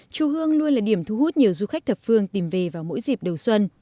chùa hương luôn là điểm thu hút nhiều du khách thập phương tìm về vào mỗi dịp đầu xuân